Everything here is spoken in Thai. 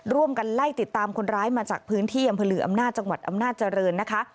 ร่วมกันไล่ติดตามคนร้ายมาจากพื้นที่อำเภอลืออำนาจจังหวัดอำนาจเจริญนะคะ